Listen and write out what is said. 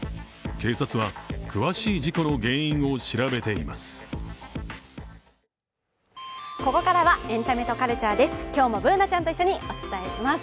警察は詳しい事故の原因を調べています。